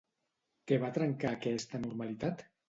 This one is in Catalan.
Què va trencar aquesta normalitat?